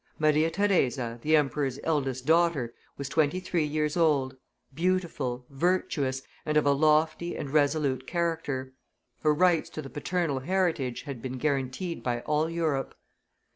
Maria Theresa, the emperor's eldest daughter, was twenty three years old, beautiful, virtuous, and of a lofty and resolute character; her rights to the paternal heritage had been guaranteed by all Europe.